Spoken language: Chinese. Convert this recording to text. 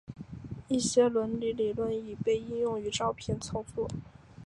一些伦理理论已被应用于照片操作。